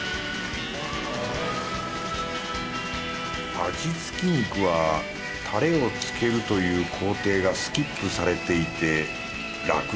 味付き肉はタレをつけるという工程がスキップされていてラクだ。